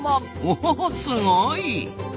おすごい。